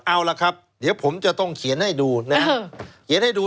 เอาล่ะครับเดี๋ยวผมจะต้องเขียนให้ดูนะ